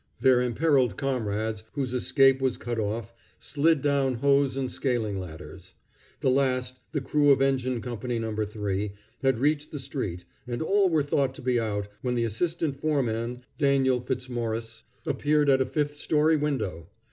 Their imperiled comrades, whose escape was cut off, slid down hose and scaling ladders. The last, the crew of Engine Company No. 3, had reached the street, and all were thought to be out, when the assistant foreman, Daniel Fitzmaurice, appeared at a fifth story window.